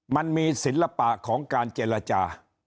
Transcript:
มันมีศิลปะของการเจรจา